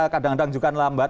kadang kadang juga lambat